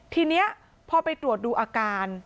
ทีนี้พอไปตรวจดูอาการ